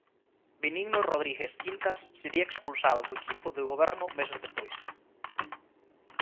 Benigno Rodríguez Quintas sería expulsado do equipo de goberno meses despois.